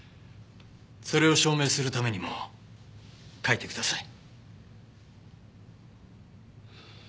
それを証明するためにも書いてください。